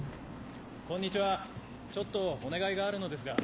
こんにちはちょっとお願いがあるのですが。